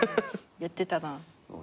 やってたな。